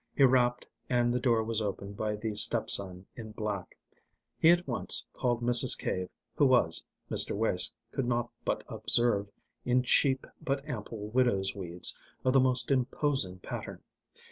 He rapped and the door was opened by the step son in black. He at once called Mrs. Cave, who was, Mr. Wace could not but observe, in cheap but ample widow's weeds of the most imposing pattern.